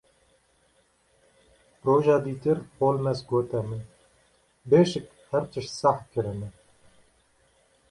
Roja dîtir Holmes gote min: Bêşik te her tişt seh kirine.